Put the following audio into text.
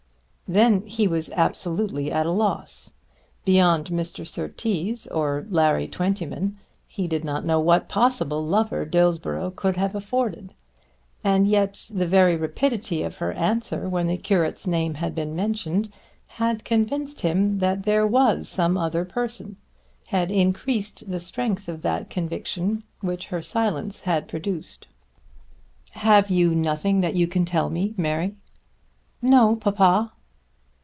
Then he was absolutely at a loss. Beyond Mr. Surtees or Larry Twentyman he did not know what possible lover Dillsborough could have afforded. And yet the very rapidity of her answer when the curate's name had been mentioned had convinced him that there was some other person, had increased the strength of that conviction which her silence had produced. "Have you nothing that you can tell me, Mary?" "No, papa."